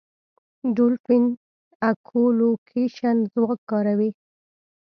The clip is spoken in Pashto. ډولفین اکولوکېشن ځواک کاروي.